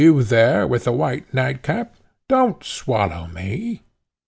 you there with the white nightcap, don't swallow me."